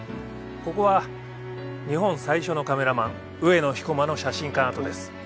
ここは日本最初のカメラマン上野彦馬の写真館跡です